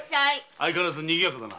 相変わらず賑やかだな。